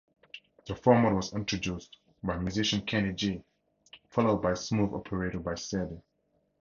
The format was introduced by musician Kenny G, followed by "Smooth Operator" by Sade.